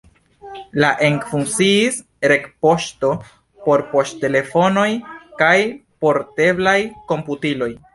La ekfunkciis retpoŝto por poŝtelefonoj kaj porteblaj komputiloj.